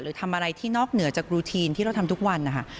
หรือทำอะไรที่นอกเหนือจากรูทีนที่เราทำทุกวันนะคะ